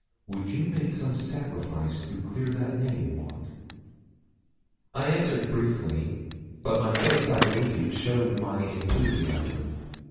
Would you make some sacrifice to clear that name, Maud?' I answered briefly; but my face, I believe, showed my enthusiasm.